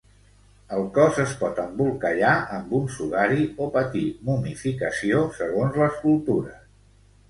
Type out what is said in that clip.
El cos es pot embolcallar amb un sudari o patir momificació segons les cultures.